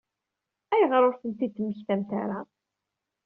Ayɣer ur ten-id-temmektamt ara?